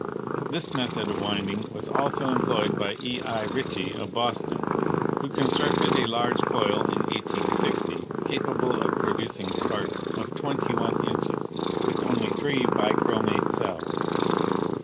This method of winding was also employed by E. I. Ritchie, of Boston, who constructed a large coil in i860 capable of producing sparks of 21 inches with only three bichromate cells.